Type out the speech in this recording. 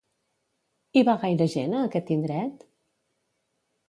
Hi va gaire gent a aquest indret?